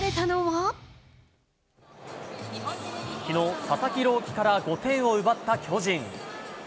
きのう、佐々木朗希から５点を奪った巨人。